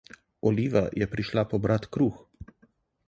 Oliva je prišla pobrat kruh.